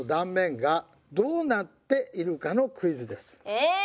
え。